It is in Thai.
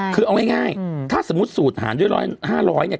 คือเอาง่ายถ้าสมมุติสูตรหารด้วย๑๐๐๕๐๐เนี่ย